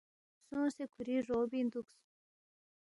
سونگسے کُھوری رُعبِنگ دُوکس